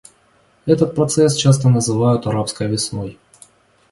Этот процесс часто называют «арабской весной».